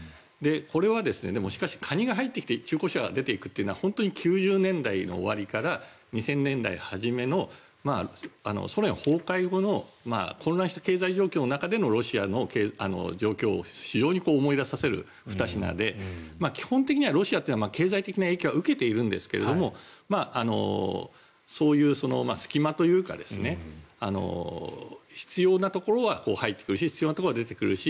これはしかし、カニが入ってきて中古車が出ていくのは９０年代の終わりから２０００年代初めのソ連崩壊後の混乱した経済状況の中でのロシアの状況を非常に思い出させる２品で基本的にはロシアは経済的な影響は受けているんですがそういう隙間というか必要なところは入ってくるし必要なところは出ていくし。